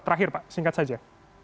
terakhir pak singkat saja